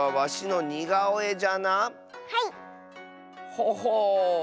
ほほう。